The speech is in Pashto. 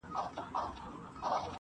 زه له فطرته عاشقي کومه ښه کومه -